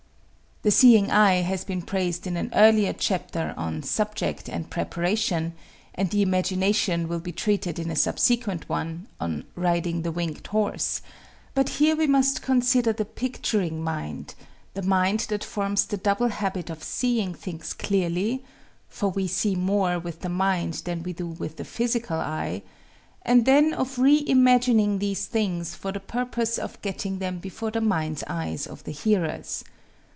The seeing eye has been praised in an earlier chapter (on "Subject and Preparation") and the imagination will be treated in a subsequent one (on "Riding the Winged Horse"), but here we must consider the picturing mind: the mind that forms the double habit of seeing things clearly for we see more with the mind than we do with the physical eye and then of re imaging these things for the purpose of getting them before the minds' eyes of the hearers.